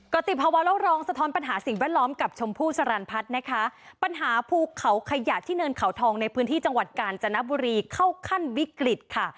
ก็ติดภาวะโกรองสะท้อนปัญหาสิ่งแวดล้อมกับชมพู่สรรพัฒน์นะคะปัญหาภูเขาขยะที่เนินเขาทองในพื้นที่จังหวัดกาญจนบุรีเข้าขั้นวิกฤตค่ะ